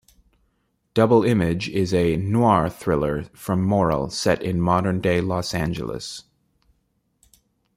"Double Image" is a "noir" thriller from Morrell set in modern-day Los Angeles.